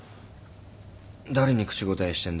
誰に口答えしてんだ